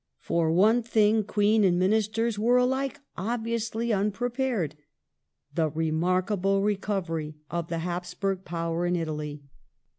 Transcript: '^ For one thing Queen and Ministers wei e alike obviously unprepared — the remarkable recovery of the Hapsburg power in Italy.